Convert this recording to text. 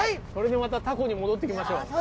これでまたタコに戻ってきましょう。